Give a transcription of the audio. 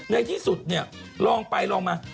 ในที่สุดลองไปลองมา